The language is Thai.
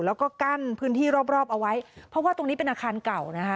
แล้วก็กั้นพื้นที่รอบรอบเอาไว้เพราะว่าตรงนี้เป็นอาคารเก่านะคะ